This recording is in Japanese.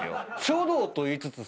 書道と言いつつ。